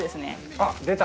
あっ出た。